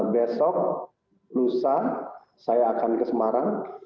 besok lusa saya akan ke semarang